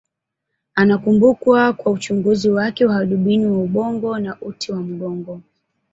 Anakumbukwa kwa uchunguzi wake wa hadubini wa ubongo na uti wa mgongo.